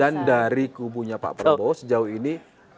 dan dari kubunya pak prabowo sejauh ini